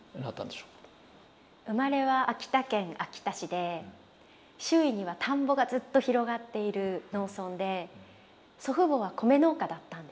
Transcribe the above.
生まれは秋田県秋田市で周囲には田んぼがずっと広がっている農村で祖父母は米農家だったんです。